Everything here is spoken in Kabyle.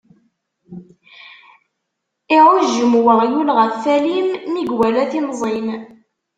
Iɛujjem uɣyul ɣef walim, mi iwala timẓin.